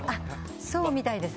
そうみたいですね。